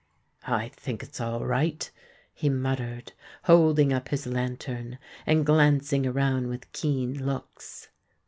"I think it's all right," he muttered, holding up his lantern, and glancing around with keen looks.